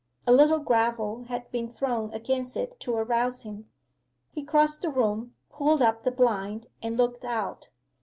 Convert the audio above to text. A little gravel had been thrown against it to arouse him. He crossed the room, pulled up the blind, and looked out.